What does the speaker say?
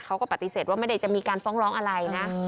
เขาก็ปฏิเสธว่าไม่ได้จะมีการฟ้องร้องอะไรนะ